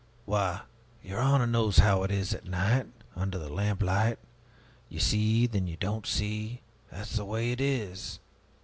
Why, your honor knows how it is at night, under the lamplight. You see and then you don't see that's the way it is.